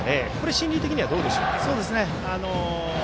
心理的にはどうでしょうか。